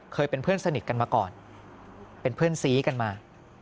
เคยเป็นเพื่อนสนิทกันมาก่อนเป็นเพื่อนซี้กันมา